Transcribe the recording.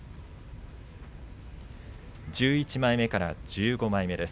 １１枚目から１５枚目です。